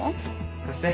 貸して。